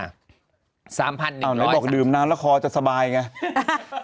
เอาไหนบอกดื่มน้ำแล้วคอจะสบายไง